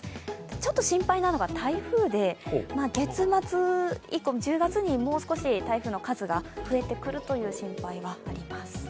ちょっと心配なのが台風で、月末以降１０月に台風が増えてくる心配があります。